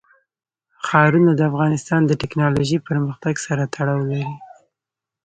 ښارونه د افغانستان د تکنالوژۍ پرمختګ سره تړاو لري.